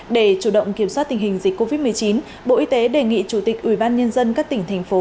để chủ động kiểm soát tình hình dịch covid một mươi chín bộ y tế đề nghị chủ tịch ubnd các tỉnh thành phố